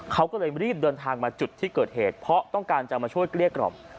เขาก็เลยรีบเดินทางมาจุดที่เกิดเหตุเพราะต้องการจะมาช่วยเกลี้ยกล่อม